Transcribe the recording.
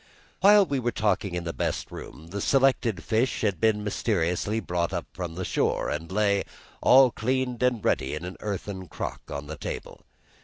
While we were talking in the best room the selected fish had been mysteriously brought up from the shore, and lay all cleaned and ready in an earthen crock on the table.